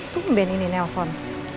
tuh ben ini nelpon